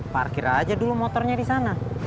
parkir aja dulu motornya disana